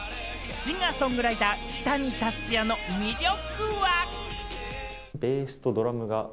シンガー・ソングライター、キタニタツヤの魅力は。